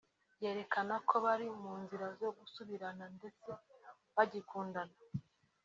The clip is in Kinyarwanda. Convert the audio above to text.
byerekana ko bari mu nzira zo gusubirana ndetse bagikundana